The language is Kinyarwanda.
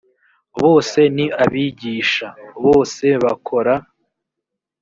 bose ni abigisha. bose bakora